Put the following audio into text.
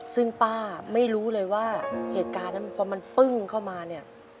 ซึ่งป้าไม่รู้เลยว่าเหตุการณ์นั้นพอมันปึ้งเข้ามาเนี่ย